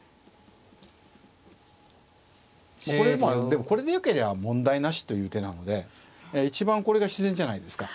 でもこれでよけりゃ問題なしという手なので一番これが自然じゃないですか。